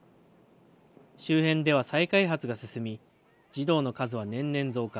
周辺では、再開発が進み児童の数は年々増加。